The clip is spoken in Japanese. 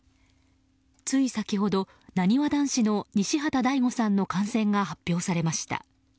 つい先ほど、なにわ男子の西畑大吾さんの感染が発表されました。